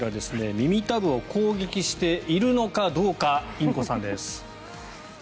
耳たぶを攻撃しているのかどうかインコさんです。